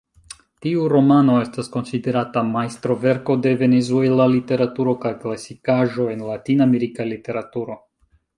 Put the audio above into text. Tiu romano estas konsiderata majstroverko de venezuela literaturo kaj klasikaĵo en Latin-Amerika literaturo.